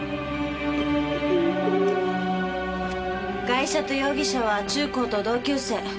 ガイシャと容疑者は中高と同級生。